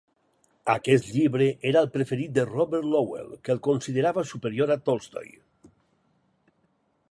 Aquest llibre era el preferit de Robert Lowell, que el considerava superior a Tolstoy.